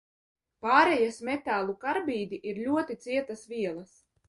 Pārejas metālu karbīdi ir ļoti cietas vielas.